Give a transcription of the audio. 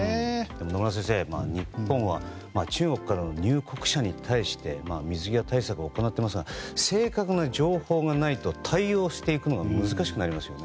野村先生、日本は中国からの入国者に対して水際対策を行ってますが正確な情報がないと対応していくのが難しくなりますよね。